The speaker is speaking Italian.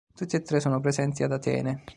Tutti e tre sono presenti ad Atene.